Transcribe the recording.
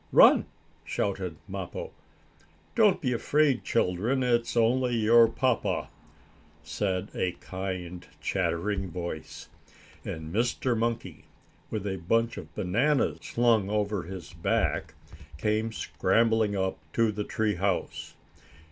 "Run!" shouted Mappo. "Don't be afraid, children, it's only your papa," said a kind, chattering voice, and Mr. Monkey, with a bunch of bananas slung over his back, came scrambling up to the tree house.